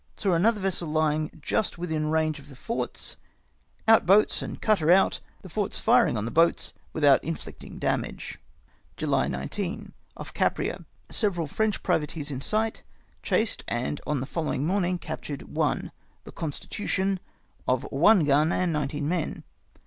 Saw another vessel lying just within range of the forts; — out boats and cut her out, the forts firing on the boats without inflicting damage. VOL. r. II 98 JOIIT LOUD KEITH AT LEGHORN. " J lily 19. — Off Caprea. Several French privateers in sight. Chased, and on the following morning captured one, the Constitution, of one gun and nineteen men.